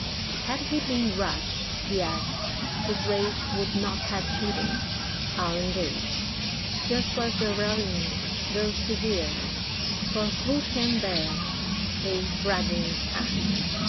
Had he been rash, the Ass, his rage Would not have hidden, I'll engage. Just was the rallying, though severe; For who can bear a bragging Ass?